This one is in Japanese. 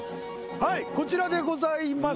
はいこちらでございます。